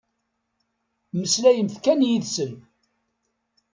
Mmeslayemt kan yid-sen.